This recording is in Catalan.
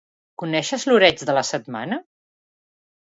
Coneixes l'oreig de la setmana?